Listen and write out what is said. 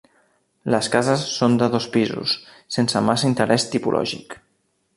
Les cases són de dos pisos, sense massa interès tipològic.